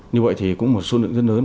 như vậy thì cũng một số lượng rất lớn